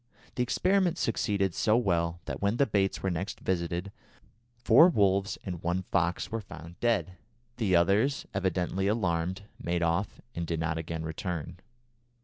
The experiment succeeded so well that when the baits were next visited four wolves and one fox were found dead. The others, evidently alarmed, made off and did not again return.